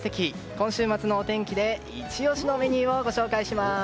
今週末のお天気でイチ押しのメニューをご紹介します。